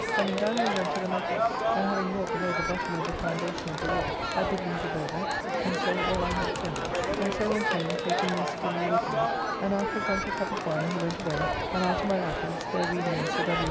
Having done we went to them at work, and having wrought below the bottom of the foundation of the wall, I bid them give over, and so all our hopes ended; and so went home, taking Mr. Leigh with me, and after drunk a cup of wine he went away, and I to my office, there reading in Sir W.